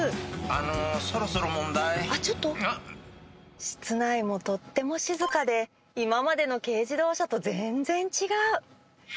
あのそろそろ問題室内もとっても静かで今までの軽自動車と全然違う。